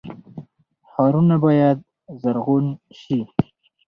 ښارونه باید زرغون شي